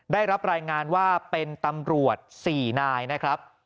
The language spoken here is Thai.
ได้รับรายงานว่าเป็นตำรวจ๔นายนะครับ